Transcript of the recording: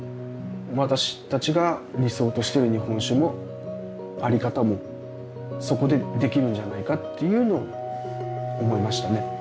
私たちが理想としてる日本酒のあり方もそこでできるんじゃないかっていうのを思いましたね。